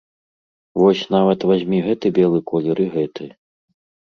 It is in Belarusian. Вось нават вазьмі гэты белы колер і гэты.